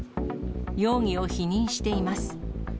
容疑を否認しています。